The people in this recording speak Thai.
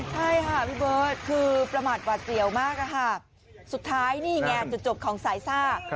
ใช่ค่ะพี่เบิร์ตคือประมาทหวัดเสี่ยวมากอะค่ะสุดท้ายนี่ไงจุดจบของสายซ่า